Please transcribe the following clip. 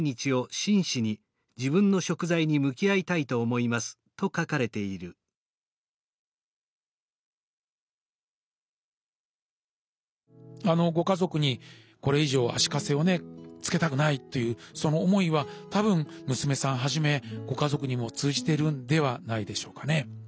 そういうことを考えるとご家族にこれ以上足かせをねつけたくないというその思いは多分娘さんはじめご家族にも通じてるんではないでしょうかね。